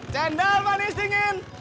cendol manis dingin